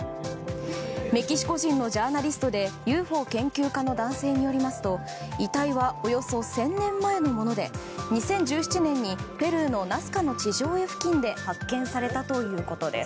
メキシコ人のジャーナリストでＵＦＯ研究家の男性によりますと遺体はおよそ１０００年前のもので２０１７年にペルーのナスカの地上絵付近で発見されたということです。